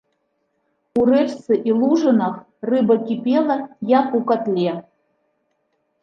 У рэчцы і лужынах рыба кіпела, як у катле.